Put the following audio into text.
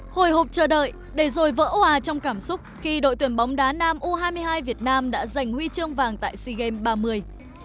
hồi hộp chờ đợi để rồi vỡ hòa trong cảm xúc khi đội tuyển bóng đá nam u hai mươi hai việt nam đã giành huy chương vàng tại sea games ba mươi